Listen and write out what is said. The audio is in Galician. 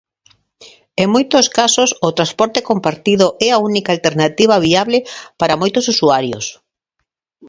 En moitos casos o transporte compartido é a única alternativa viable para moitos usuarios.